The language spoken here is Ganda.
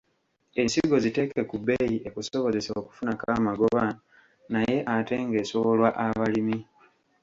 Ensigo ziteeke ku bbeeyi ekusobozesa okufunako amagoba naye ate ng’esobolwa abalimi.